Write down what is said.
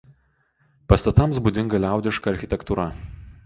Pastatams būdinga liaudiška architektūra.